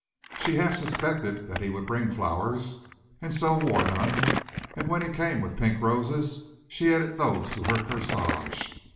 She half suspected that he would bring flowers and so wore none, and when he came with pink roses, she added those to her corsage.